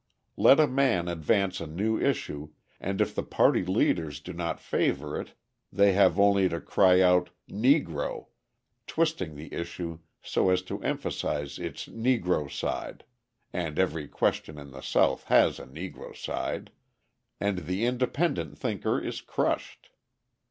Let a man advance a new issue and if the party leaders do not favour it they have only to cry out "Negro," twisting the issue so as to emphasise its Negro side (and every question in the South has a Negro side), and the independent thinker is crushed.